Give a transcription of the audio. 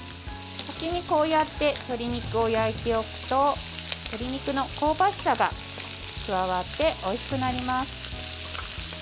先にこうやって鶏肉を焼いておくと鶏肉の香ばしさが加わっておいしくなります。